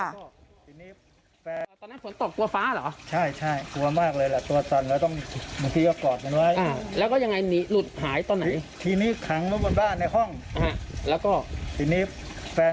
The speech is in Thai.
อ้าวหรือไปจุบหวังบ้างไปดูอ้าวไม่มีทีนี้เดินหากันแล้ว